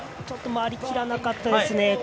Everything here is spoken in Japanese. ちょっと回りきらなかったですね。